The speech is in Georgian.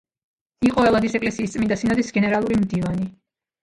იყო ელადის ეკლესიის წმინდა სინოდის გენერალური მდივანი.